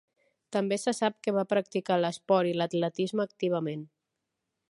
També se sap que va practicar l'esport i l'atletisme activament.